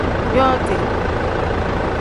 Yooti.